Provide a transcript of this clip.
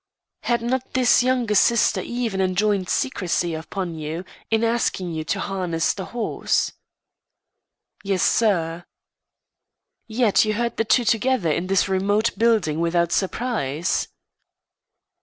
"Had not this younger sister even enjoined secrecy upon you in asking you to harness the horse?" "Yes, sir." "Yet you heard the two together in this remote building without surprise?"